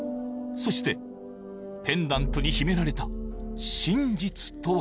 そしてペンダントに秘められた真実とは？